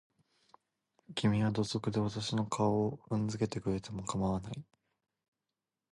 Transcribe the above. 君は土足で私の顔を踏んづけてくれても構わない。